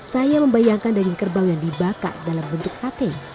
saya membayangkan daging kerbau yang dibakar dalam bentuk sate